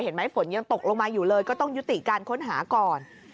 ฝนยังตกลงมาอยู่เลยก็ต้องยุติการค้นหาก่อน